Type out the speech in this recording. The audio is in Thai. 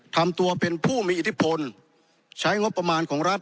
ทำตัวเป็นผู้มีอิทธิพลใช้งบประมาณของรัฐ